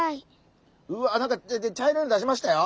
うわなんか茶色いの出しましたよ。